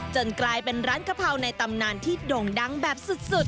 กลายเป็นร้านกะเพราในตำนานที่ด่งดังแบบสุด